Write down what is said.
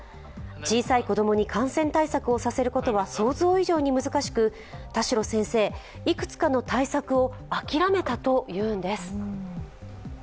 小さい子供に感染対策をさせることは想像以上に難しく田代先生、いくつかの対策を諦めたというのです。